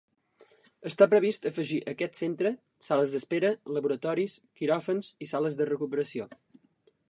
Està previst afegir a aquest centre; sales d'espera, laboratoris, quiròfans, i sales de recuperació.